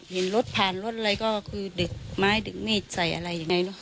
เห็นรถผ่านรถอะไรก็คือดึกไม้ดึกเนธใส่อะไรอย่างนี้